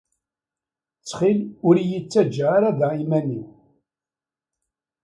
Ttxil ur iyi-ttaǧǧa ara da iman-iw.